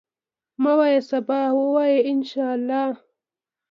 مه وایه سبا، وایه ان شاءالله.